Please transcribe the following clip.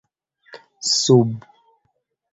sub